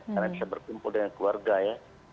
karena bisa berkumpul dengan keluarga ya